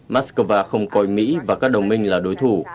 moscow không coi mỹ và các đồng minh là đối thủ